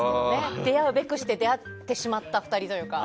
出会うべくして出会ってしまった２人というか。